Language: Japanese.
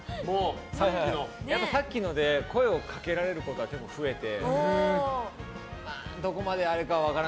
さっきので声をかけられることが結構、増えて。